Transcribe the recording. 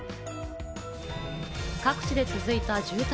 各地で続いた渋滞。